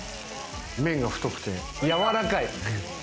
麺が太くて柔らかい。